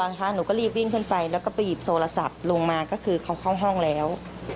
ล๊อคราญหนูก็รีบอินขึ้นไปแล้วก็ประหยิบโทรศัพท์ลงมาก็เขาเข้าห้องแล้ว